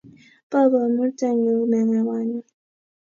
Bo bomurtanyu mekewani